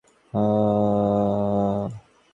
মুখ্য সত্যটি হইল মণি, গৌণ ভাবগুলি পেটিকা স্বরূপ।